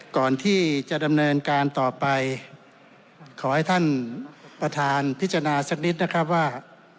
ก่อนที่จะดำเนินการต่อไปขอให้ท่านประธานพิจารณาสักนิดนะครับว่า